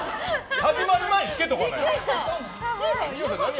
始まる前につけとかないと。